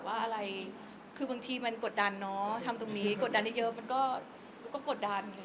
อะไรคือบางทีมันกดดันเนาะทำตรงนี้กดดันเยอะมันก็กดดัน